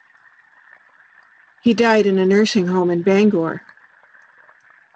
He died in a nursing home in Bangor.